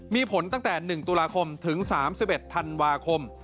มีผลตั้งแต่๑ตุลาคมถึง๓๑ธันวาคม